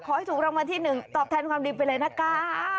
ขอให้ถูกรางวัลที่๑ตอบแทนความดีไปเลยนะคะ